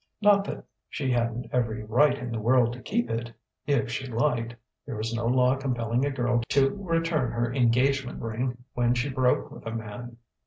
Not that she hadn't every right in the world to keep it, if she liked: there was no law compelling a girl to return her engagement ring when she broke with a man.